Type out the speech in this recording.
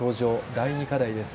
第２課題です。